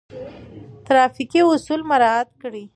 ترافيکي اصول مراعات کړئ.